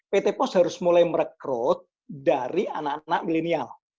pt pos harus mulai merekrut dari anak anak milenial